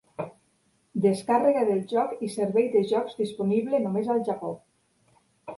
Descàrrega del joc i servei de jocs disponible només al Japó.